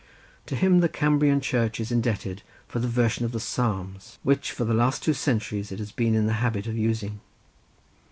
To him the Cambrian Church is indebted for the version of the Psalms, which for the last two centuries it has been in the habit of using.